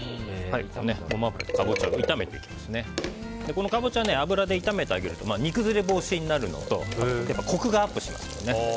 このカボチャ油で炒めてあげると煮崩れ防止になるのとコクがアップします。